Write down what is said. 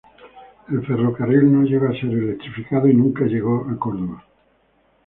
El ferrocarril no llegó a ser electrificado y nunca llegó a Córdoba.